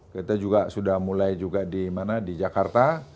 kita juga sudah mulai juga di mana di jakarta